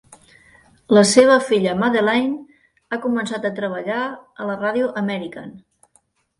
La seva filla, Madeline, ha començat a treballar a la ràdio American.